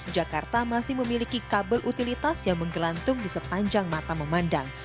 jakarta masih memiliki kabel utilitas yang menggelantung di sepanjang mata memandang